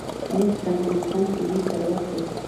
نفت د افغانستان طبعي ثروت دی.